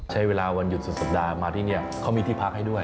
ใช้เวลาวันหยุดสุดสัปดาห์มาที่นี่เขามีที่พักให้ด้วย